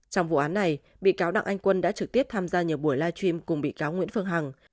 trong vụ án này bị cáo đặng anh quân đã trực tiếp tham gia nhiều buổi live stream cùng bị cáo nguyễn phương hằng